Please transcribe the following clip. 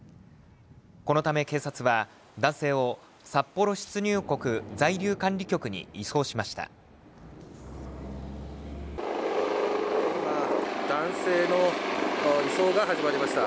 このため警察は、男性を札幌出入国在留管理局に移送しました。